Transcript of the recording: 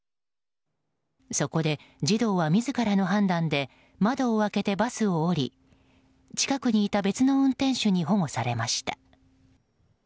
そこで、児童は自らの判断で窓を開けてバスを降り近くにいた別の運転手に保護されました。